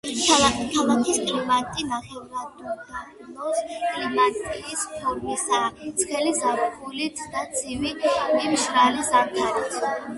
ქალაქის კლიმატი ნახევრადუდაბნოს კლიმატის ფორმისაა, ცხელი ზაფხულით და ცივი, მშრალი ზამთრით.